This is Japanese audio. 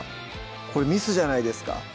「これミスじゃないですか？」